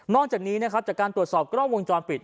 จากนี้นะครับจากการตรวจสอบกล้องวงจรปิด